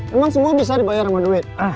memang semua bisa dibayar sama duit